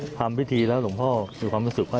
หลังจากทำพิธีแล้วลุงพ่อมีความรู้สึกว่า